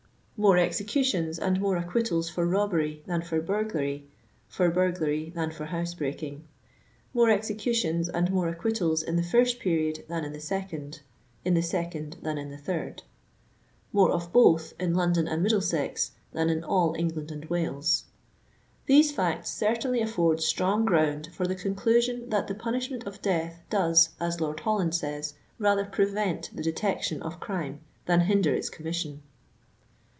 More executions and more acquittals for robbery than for burglary, for burglary than for house breaking. More execu tions and more acquittals in the first period than in the second, in the second than in the third. More of both in London and Middle sex than in all England and Wales. These facts certainly afford strong ground for the conclusion that the punishment of death does, as Lord Holland says, rather prevent the detection of crime than hinder its commission.